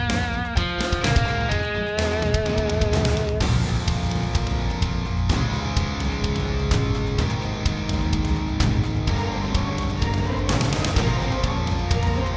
saya mohon pak saya bukan pelakunya